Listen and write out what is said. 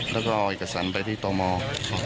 แล้วก็เอาเอกสารไปที่ตม